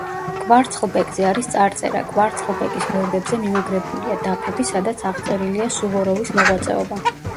კვარცხლბეკზე არის წარწერა: კვარცხლბეკის გვერდებზე მიმაგრებულია დაფები სადაც აღწერილია სუვოროვის მოღვაწეობა.